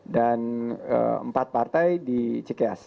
dan empat partai di cks